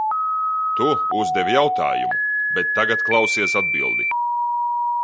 Tu uzdevi jautājumu, bet tagad klausies atbildi!